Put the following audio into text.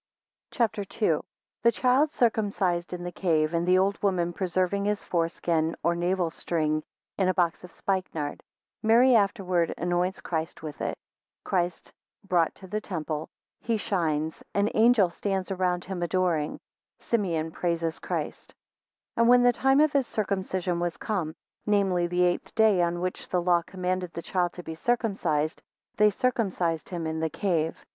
CHAP. II. 1 The child circumcised in the cave, 2 and the old woman preserving his foreskin or navel string in a box of spikenard, Mary afterwards anoints Christ with it. 5 Christ brought to the temple; 6 He shines, 7 and angels stand around him adoring. 8 Simeon praises Christ. AND when the time of his circumcision was come: namely, the eighth day, on which the law commanded the child to be circumcised; they circumcised him in the cave.